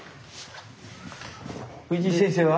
藤井先生は？